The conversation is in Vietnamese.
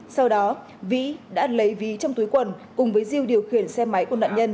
sau đó vĩ đã lấy ví trong túi quần cùng với diêu điều khiển xe máy của nạn nhân